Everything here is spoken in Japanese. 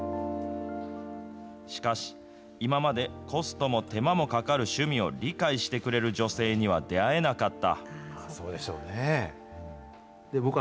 しかし、今までコストも手間もかかる趣味を理解してくれる女性には出会えなかった。